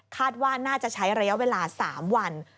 ว่าน่าจะใช้ระยะเวลา๓วัน